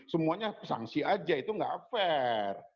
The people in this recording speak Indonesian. semuanya sanksi saja itu enggak fair